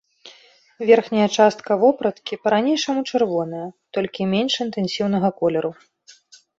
Верхняя частка вопраткі па-ранейшаму чырвоная, толькі менш інтэнсіўнага колеру.